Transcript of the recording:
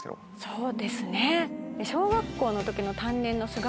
そうですね。